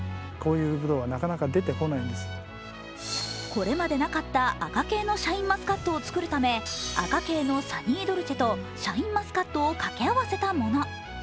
これまでなかった赤系のシャインマスカットを作るため、赤系のサニードルチェとシャインマスカットを掛け合わせたもの。